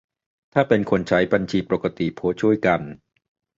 ถ้าเป็นคนใช้บัญชีปกติโพสต์ช่วยกัน